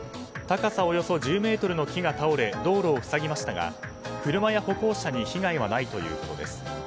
高さおよそ１０ｍの木が倒れ道路を塞ぎましたが車や歩行者に被害はないということです。